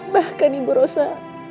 bahkan ibu rasa